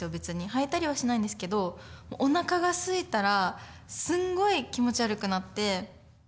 吐いたりはしないんですけどおなかがすいたらすんごい気持ち悪くなって。